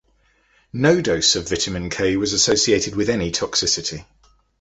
No dose of vitamin K was associated with any toxicity.